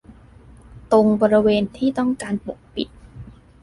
ตรงบริเวณที่ต้องการปกปิด